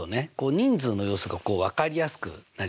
人数の様子が分かりやすくなりますね。